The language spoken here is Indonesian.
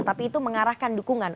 tapi itu mengarahkan dukungan